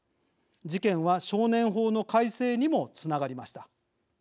事件は少年法の改正にもつながりました。